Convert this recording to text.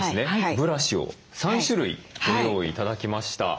ブラシを３種類ご用意頂きました。